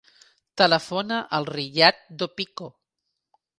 Telefona al Riyad Dopico.